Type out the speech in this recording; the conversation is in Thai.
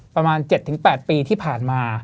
ประมาณ๗๘ปีที่ผ่านมา